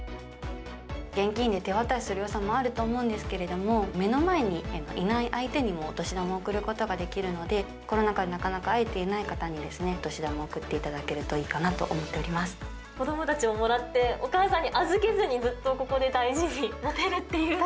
現金で手渡しするよさもあると思うんですけれども、目の前にいない相手にもお年玉を送ることができるので、コロナ禍でなかなか会えていない方にお年玉送っていただけるとい子どもたちももらって、お母さんに預けずに、ずっとここで大事に持てるっていうのも。